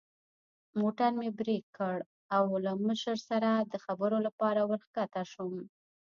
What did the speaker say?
موټر مې برېک کړ او له مشرې سره د خبرو لپاره ور کښته شوم.